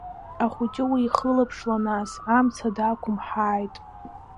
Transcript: Ахәыҷы уихылаԥшла нас, амца дақәымҳааит!